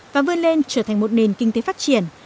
và vươn lên trở thành một nền kinh tế phát triển